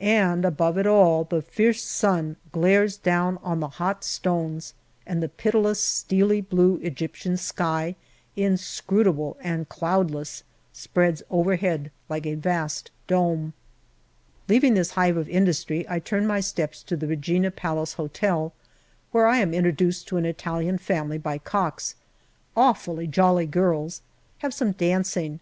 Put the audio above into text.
And above it all, the fierce sun glares down on the hot stones, and the pitiless, steely blue Egyptian sky, inscrutable and cloudless, spreads overhead like a vast dome. Leaving this hive of industry, I turn my steps to the Regina Palace Hotel, where I am introduced to an Italian family by Cox. Awfully jolly girls. Have some dancing.